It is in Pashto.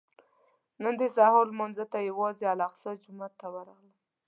نن د سهار لمانځه ته یوازې الاقصی جومات ته راغلم.